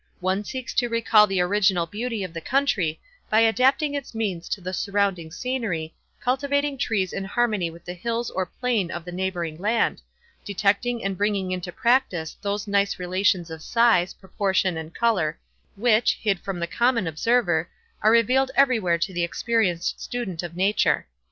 One seeks to recall the original beauty of the country, by adapting its means to the surrounding scenery, cultivating trees in harmony with the hills or plain of the neighboring land; detecting and bringing into practice those nice relations of size, proportion, and color which, hid from the common observer, are revealed everywhere to the experienced student of nature.